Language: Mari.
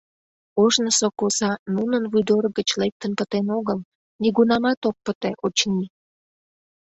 Ожнысо коса нунын вуйдорык гыч лектын пытен огыл, нигунамат ок пыте, очыни.